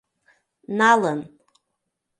Налын!